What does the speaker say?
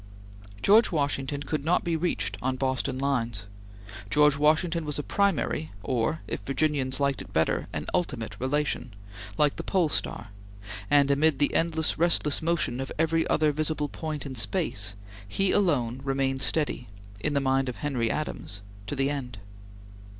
George Washington could not be reached on Boston lines. George Washington was a primary, or, if Virginians liked it better, an ultimate relation, like the Pole Star, and amid the endless restless motion of every other visible point in space, he alone remained steady, in the mind of Henry Adams, to the end.